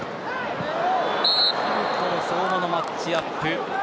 ヒルと相馬のマッチアップ。